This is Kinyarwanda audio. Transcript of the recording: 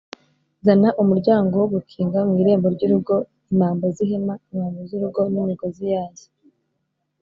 Zana Umuryango wo gukinga mu irembo ry’urugo imambo z’ihema imambo z’urugo n’imigozi yazo